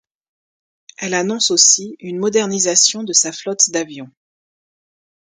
Elle annonce aussi une modernisation de sa flotte d'avions.